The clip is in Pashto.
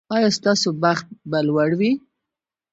ایا ستاسو بخت به لوړ وي؟